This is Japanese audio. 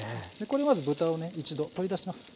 これまず豚をね一度取り出します。